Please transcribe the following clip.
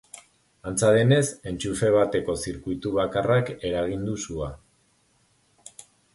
Antza denez, entxufe bateko zirkuitubakarrak eragin du sua.